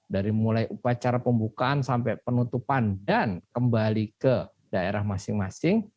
dari mulai upacara pembukaan sampai penutupan dan kembali ke daerah masing masing